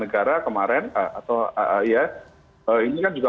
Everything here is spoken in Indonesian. negara kemarin atau ya ini kan juga